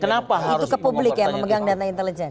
kenapa harus diungkap ke publik ya memegang dana intelijen